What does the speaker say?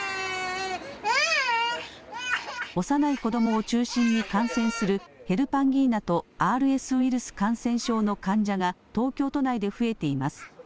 幼い子どもを中心に感染する、ヘルパンギーナとＲＳウイルス感染症の患者が東京都内で増えています。